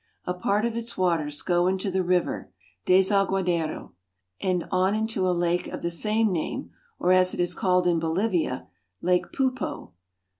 A part of its waters go into the river Desaguadero (das a gwa da'ro) and on into a lake of the same name, or, as it is called in Bolivia, Lake Poo'po.